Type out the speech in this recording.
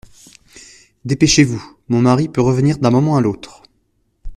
Dépêchez-vous, mon mari peut revenir d’un moment à l’autre.